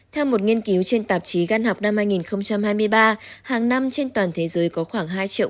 theo một nghiên cứu trên tạp chí gan học năm hai nghìn hai mươi ba hàng năm trên toàn thế giới có khoảng hai triệu